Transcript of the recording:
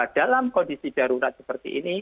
dalam kondisi darurat seperti ini